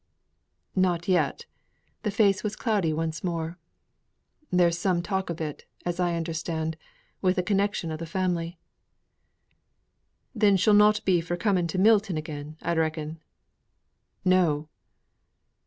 "Not yet." The face was cloudy once more. "There is some talk of it, as I understand, with a connection of the family." "Then she'll not be for coming to Milton again, I reckon." "No!"